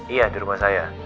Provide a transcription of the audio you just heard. iya di rumah saya